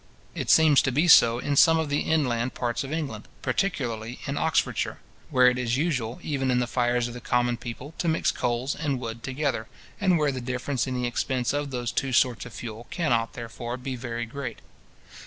It seems to be so in some of the inland parts of England, particularly in Oxfordshire, where it is usual, even in the fires of the common people, to mix coals and wood together, and where the difference in the expense of those two sorts of fuel cannot, therefore, be very great.